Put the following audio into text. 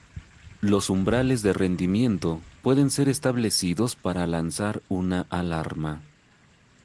Los umbrales de rendimiento pueden ser establecidos para lanzar una alarma.